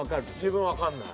自分わかんない。